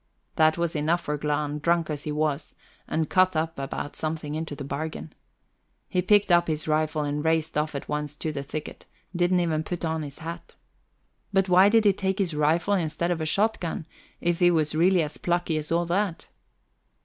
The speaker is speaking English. That was enough for Glahn, drunk as he was, and cut up about something into the bargain. He picked up his rifle and raced off at once to the thicket didn't even put on his hat. But why did he take his rifle instead of a shot gun, if he was really as plucky as all that?